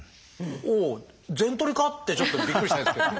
おお全取りか？ってちょっとびっくりしたんですけども。